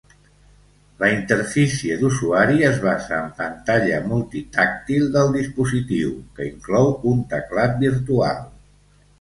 La interfície d'usuari es basa en pantalla multitàctil del dispositiu, que inclou un teclat virtual.